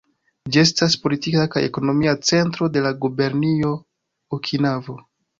Ĝi estas politika kaj ekonomia centro de la Gubernio Okinavo.